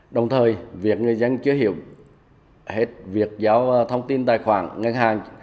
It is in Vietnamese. đồng thời việc người dân chưa hiểu hết việc giao thông tin tài khoản ngân hàng